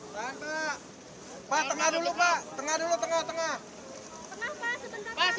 bu ani tengah bu ani